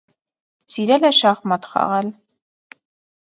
Սիրել է շախմատ խաղալ։